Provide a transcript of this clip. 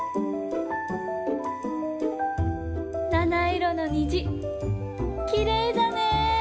７いろのにじきれいだね。